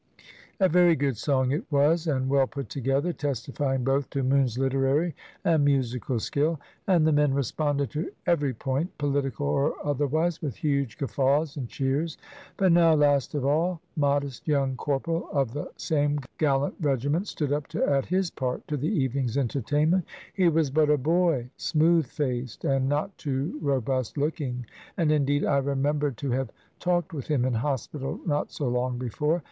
A very good song it was, and well put together, testifying both to Moon's literary and musical skill. And the men responded to every point, political or otherwise, with huge guffaws and cheers. But now, last of all, modest young corporal of the same gallant regiment stood up to add his part to the evening's entertainment. He was but a boy, smooth faced, and not too robust looking, and, indeed, I remem bered to have talked with him in hospital not so long before.